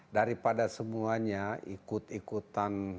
daripada semuanya ikut ikutan